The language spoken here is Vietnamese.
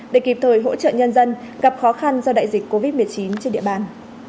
để kịp thời hỗ trợ nhân dân gặp khó khăn do đại dịch covid một mươi chín trên địa bàn